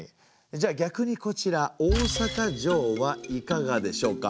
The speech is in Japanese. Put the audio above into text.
じゃあ逆にこちら大坂城はいかがでしょうか？